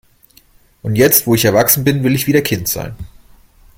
Und jetzt, wo ich erwachsen bin, will ich wieder Kind sein.